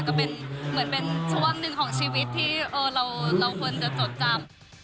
ก็เป็นเหมือนเป็นช่วงหนึ่งของชีวิตที่เราควรจะจดจำ